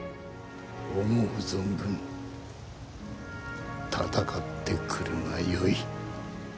思う存分戦ってくるがよい。